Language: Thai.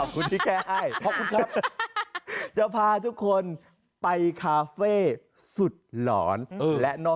มีรายการอะไรดูดี